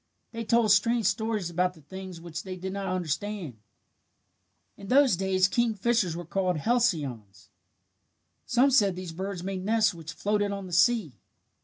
They told strange stories about the things which they did not understand. "In those days kingfishers were called halcyons. Some said these birds made nests which floated on the sea.